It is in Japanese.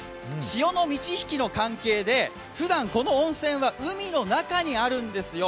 潮の満ち引きの関係で、ふだんこの温泉は海の中にあるんですよ。